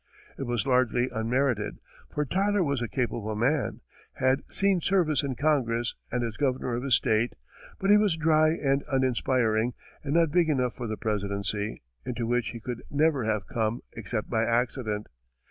It was largely unmerited, for Tyler was a capable man, had seen service in Congress and as governor of his state; but he was dry and uninspiring, and not big enough for the presidency, into which he could never have come except by accident.